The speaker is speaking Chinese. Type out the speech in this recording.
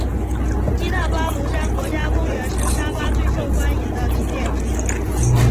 基纳巴卢山国家公园是沙巴最受欢迎的景点之一。